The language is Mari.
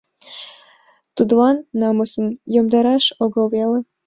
Тудланат намысым йомдараш огыл веле!..